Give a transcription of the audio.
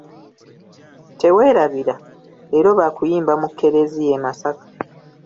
Teweerabira, leero baakuyimba mu keleziya e Masaka.